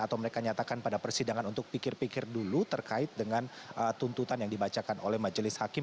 adalah persidangan untuk pikir pikir dulu terkait dengan tuntutan yang dibacakan oleh majelis hakim